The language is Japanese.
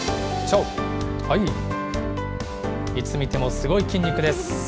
いつ見てもすごい筋肉です。